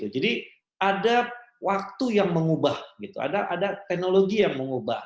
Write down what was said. jadi ada waktu yang mengubah ada teknologi yang mengubah